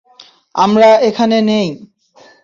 আমরা এখানে নেই।